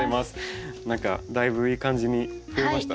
何かだいぶいい感じにふえました。